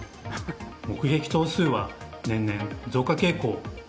目撃頭数は年々増加傾向。